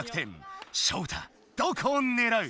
ショウタどこをねらう？